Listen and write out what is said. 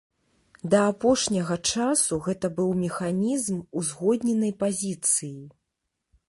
Да апошняга часу гэта быў механізм узгодненай пазіцыі.